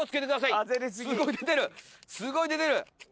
すごい出てる。